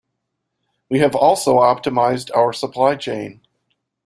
We have also optimised our supply chain.